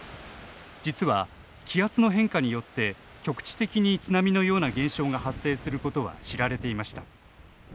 実は、気圧の変化によって局地的に津波のような現象が発生することは知られていました。